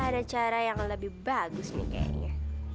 ada cara yang lebih bagus nih kayaknya